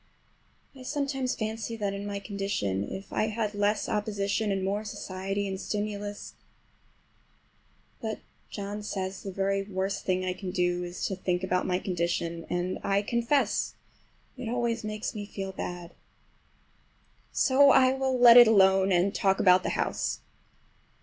I sometimes fancy that in my condition if I had less opposition and more society and stimulus—but John says the very worst thing I can do is to think about my condition, and I confess it always makes me feel bad. So I will let it alone and talk about the house.